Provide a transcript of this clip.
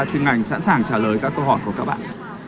chuyên ngành sẵn sàng trả lời các câu hỏi của các bạn